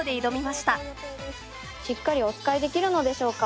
しっかりおつかいできるのでしょうか？